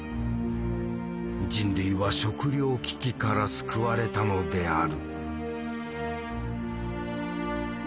人類は食糧危機から救われたのである。